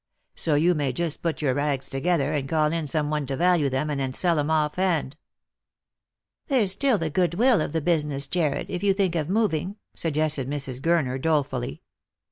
So you may just put your rags together, and call in some one to value them, and then sell 'em offhand." " There's the good will of the business, Jarred, if you think of moving," suggested Mrs. Gurner dolefully.